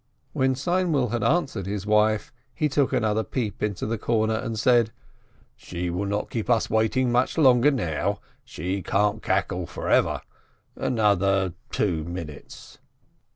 When Seinwill had answered his wife, he took another peep into the corner, and said: "She will not keep us waiting much longer now. She can't cackle forever. Another two minutes